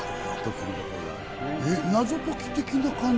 謎解き的な感じ？